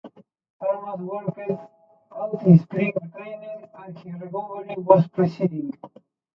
Armas worked out in spring training, and his recovery was proceeding.